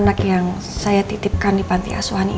aku bawa kamu kebijak